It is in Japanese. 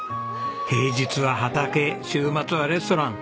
平日は畑週末はレストラン。